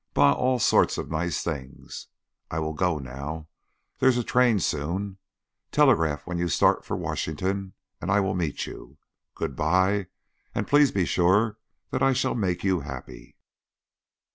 Buy all sorts of nice things. I will go now. There is a train soon. Telegraph when you start for Washington and I will meet you. Good by, and please be sure that I shall make you happy."